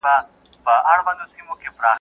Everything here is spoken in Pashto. څه ورېښمین شالونه لوټ کړل غدۍ ورو ورو.